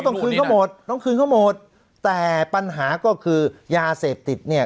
ต้องคืนเขาหมดต้องคืนเขาหมดแต่ปัญหาก็คือยาเสพติดเนี่ย